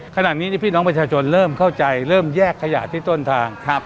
ขณะนี้พี่น้องประชาชนเริ่มเข้าใจเริ่มแยกขยะที่ต้นทาง